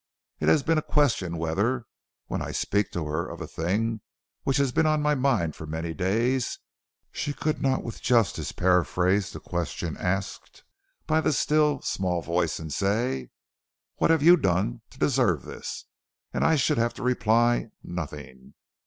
"It has been a question whether when I speak to her of a thing which has been on my mind for many days she could not with justice paraphrase the question asked by the still, small voice and say: What have you done to deserve this? And I should have to reply nothing."